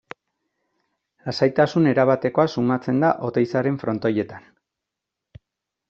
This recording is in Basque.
Lasaitasun erabatekoa sumatzen da Oteizaren Frontoietan.